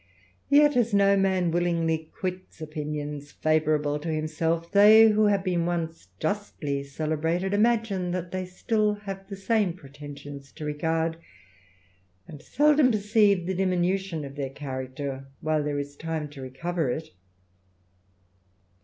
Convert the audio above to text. Y^^ as no man willingly quits opinions favourable to hi:azxi self, they who have been once justly celebrated, imagine that they still have the same pretensions to regard, and seldom perceive the diminution of their character whj'le there is time to recover it.